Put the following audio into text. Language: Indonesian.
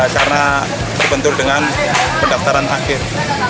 karena terbentur dengan pendaftaran akhir